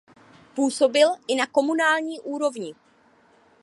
Působil i na komunální úrovni.